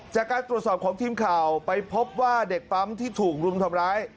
จากการตรวจสอบของทีมข่าวไปพบว่าเด็กปั๊มที่ถูกรุมทำร้าย